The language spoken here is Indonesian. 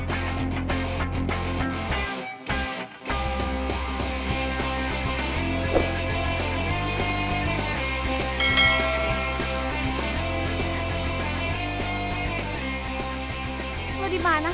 dari tadi unduh gue mulu